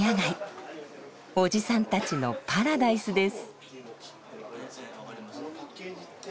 おじさんたちのパラダイスです。